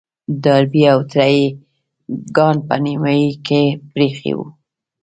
ډاربي او تره يې کان په نيمايي کې پرېيښی و.